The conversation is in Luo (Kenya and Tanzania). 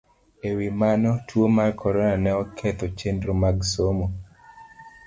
E wi mano, tuwo mar Corona ne oketho chenro mag somo